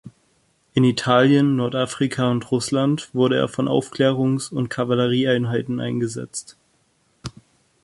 In Italien, Nordafrika und Russland wurde er von Aufklärungs- und Kavallerieeinheiten eingesetzt.